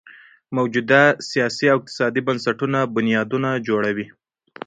موجوده سیاسي او اقتصادي بنسټونه بنیادونه جوړوي.